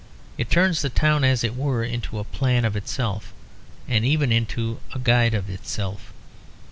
It turns the town, as it were, into a plan of itself, and even into a guide to itself.